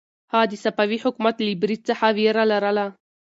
هغه د صفوي حکومت له برید څخه وېره لرله.